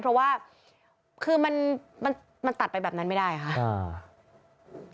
เพราะว่าคือมันมันตัดไปแบบนั้นไม่ได้ค่ะ